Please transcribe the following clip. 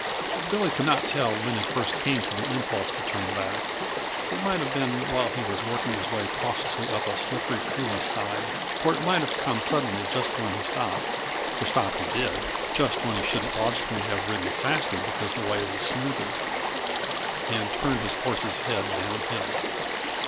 Billy could not tell when first came the impulse to turn back. It might have been while he was working his way cautiously up a slippery coulée side, or it might have come suddenly just when he stopped; for stop he did (just when he should logically have ridden faster because the way was smoother) and turned his horse's head downhill.